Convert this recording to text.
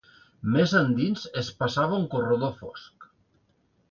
Més endins, es passava un corredor fosc